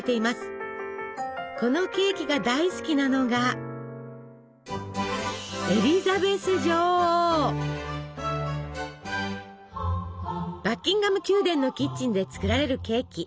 このケーキが大好きなのがバッキンガム宮殿のキッチンで作られるケーキ。